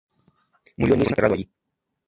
Murió en Niza y fue enterrado allí.